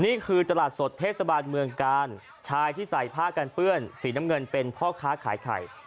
นี่คือตลาดสดเทศบาลเมืองกาลชายที่ใส่ผ้ากันเปื้อนสีน้ำเงินเป็นพ่อค้าขายไข่